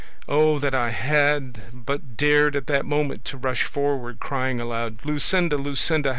Oh, that I had but dared at that moment to rush forward crying aloud, 'Luscinda, Luscinda!